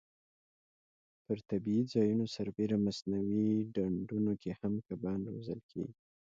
پر طبیعي ځایونو سربېره مصنوعي ډنډونو کې هم کبان روزل کېږي.